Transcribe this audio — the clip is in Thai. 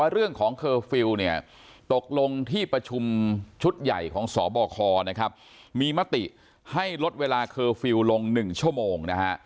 เรื่องของเคอร์ฟิลตกลงที่ประชุมชุดใหญ่ของสบคมีมติให้ลดเวลาเคอร์ฟิลลง๑ชั่วโมง